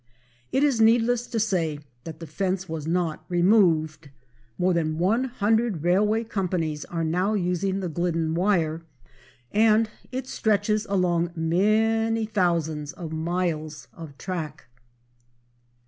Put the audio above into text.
It is needless to say that the fence was not removed. More than one hundred railway companies are now using the Glidden wire, and it stretches along many thousands of miles of track.